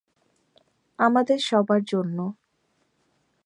আমাদের সবার জন্য।